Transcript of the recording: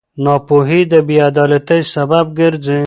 ناپوهي د بېعدالتۍ سبب ګرځي.